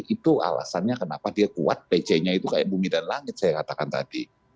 itu alasannya kenapa dia kuat pc nya itu kayak bumi dan langit saya katakan tadi